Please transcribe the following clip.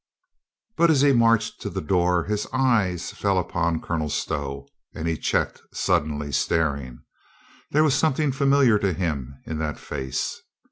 But as he marched to the door his eyes fell upon Colonel Stow and he checked suddenly, staring. There was something familiar to him in that face.